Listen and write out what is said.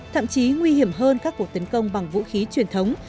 thậm chí nguy hiểm hơn các cuộc tấn công bằng vũ khí truyền thống